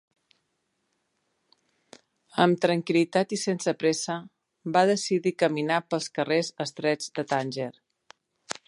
Amb tranquil·litat i sense pressa, va decidir caminar pels carrers estrets de Tànger.